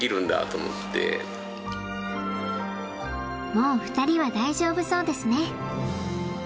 もうふたりは大丈夫そうですね。